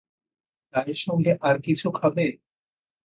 চায়ের সঙ্গে আর কিছু খাবে?